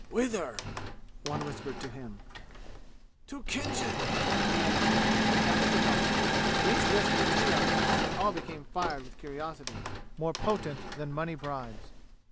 "Whither?" one whispered to him. "To Khinjan!" he answered; and that was enough. Each whispered to the other, and they all became fired with curiosity more potent than money bribes.